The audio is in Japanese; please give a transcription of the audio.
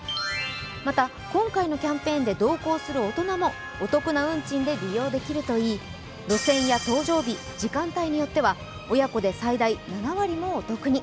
また今回のキャンペーンで同行する大人もお得な運賃で利用できるといい、路線や搭乗日、時間帯によっては親子で最大７割もお得に。